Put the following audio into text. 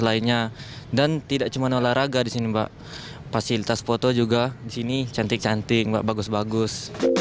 lainnya dan tidak cuma olahraga di sini mbak fasilitas foto juga disini cantik cantik bagus bagus